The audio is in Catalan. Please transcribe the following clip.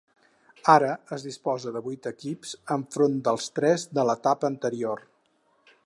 Ara es disposa de vuit equips, enfront dels tres de l’etapa anterior.